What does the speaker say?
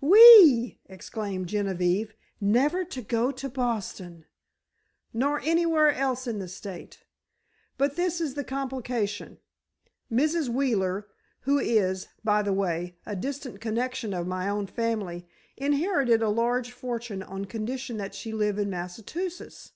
"Whee!" exclaimed Genevieve; "never go to Boston!" "Nor anywhere else in the state. But this is the complication: Mrs. Wheeler, who is, by the way, a distant connection of my own family, inherited a large fortune on condition that she live in Massachusetts.